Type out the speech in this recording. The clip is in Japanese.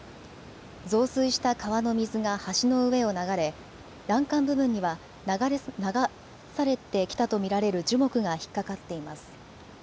増水した川の水が橋の上を流れ欄干部分には流されてきたと見られる樹木が引っ掛かっています。